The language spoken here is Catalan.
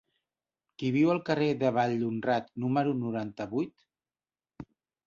Qui viu al carrer de Vallhonrat número noranta-vuit?